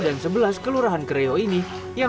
dalam gede banget airnya